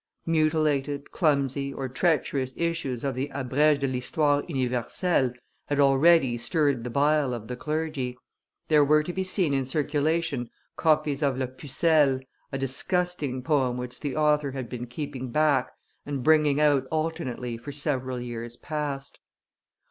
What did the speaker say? Mutilated, clumsy, or treacherous issues of the Abrege de l'Histoire Universelle had already stirred the bile of the clergy; there were to be seen in circulation copies of La Pucelle, a disgusting poem which the author had been keeping back and bringing out alternately for several years past.